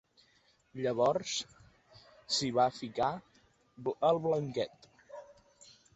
Llavors s'hi va ficar el Blanquet.